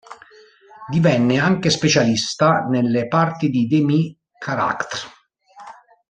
Divenne anche specialista nelle parti di demi-caractére.